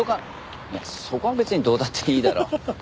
いやそこは別にどうだっていいだろ。